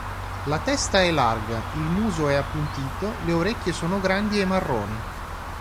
La testa è larga, il muso è appuntito, le orecchie sono grandi e marroni.